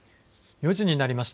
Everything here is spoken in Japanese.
４時になりました。